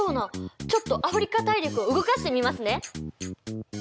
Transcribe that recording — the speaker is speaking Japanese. ちょっとアフリカ大陸を動かしてみますね。